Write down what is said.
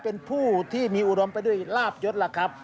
เป็นผู้ที่มีอุดมไปด้วยลาบยศล่ะครับ